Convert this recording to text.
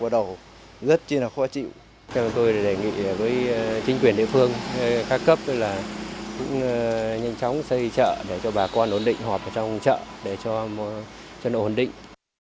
để cho bà con ổn định họp trong chợ để cho nó ổn định